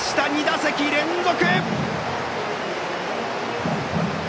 ２打席連続！